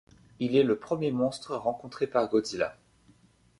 Il est le premier monstre rencontré par Godzilla.